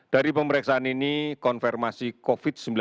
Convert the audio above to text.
dari pemeriksaan ini